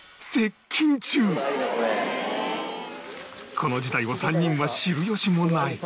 この事態を３人は知るよしもない